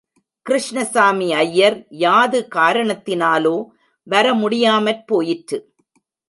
கிருஷ்ணசாமி ஐயர் யாது காரணத்தினாலோ வர முடியாமற் போயிற்று.